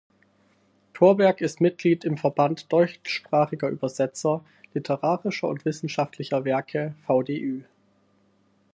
Torberg ist Mitglied im Verband deutschsprachiger Übersetzer literarischer und wissenschaftlicher Werke, VdÜ.